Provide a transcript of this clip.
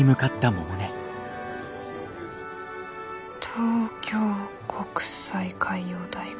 東京国際海洋大学。